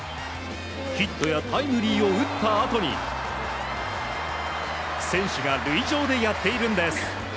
ヒットやタイムリーを打ったあとに選手が塁上でやっているんです。